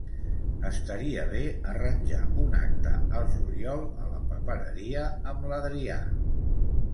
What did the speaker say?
Estaria bé arranjar un acte al juliol a la papereria amb l'Adrià.